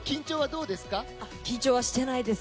緊張はしていないです。